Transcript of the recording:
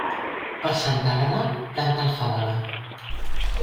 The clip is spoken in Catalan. Per Santa Àgueda, planta alfàbega.